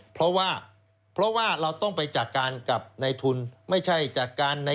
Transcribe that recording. เพราะว่าเราต้องไปจัดการกับในทุนไม่ใช่จัดการใน